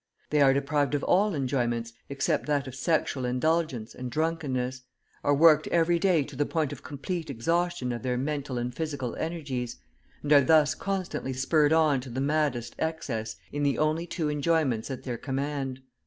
They are deprived of all enjoyments except that of sexual indulgence and drunkenness, are worked every day to the point of complete exhaustion of their mental and physical energies, and are thus constantly spurred on to the maddest excess in the only two enjoyments at their command.